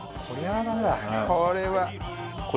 これは！